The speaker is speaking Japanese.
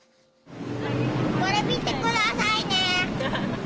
これ見てくださいね。